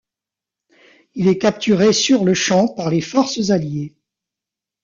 Il est capturé sur le champ par les forces Alliées.